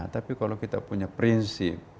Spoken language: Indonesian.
tapi kalau kita punya prinsip